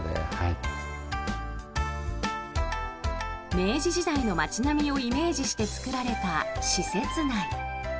明治時代の街並みをイメージして作られた施設内。